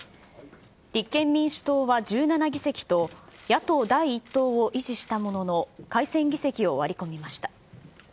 立憲民主党は１７議席と野党第１党を維持したものの、改選議席を割り込みました。